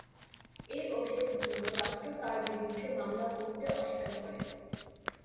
এই অভিযোগের জন্য রাষ্ট্র তার বিরুদ্ধে মামলা করতে অস্বীকার করে।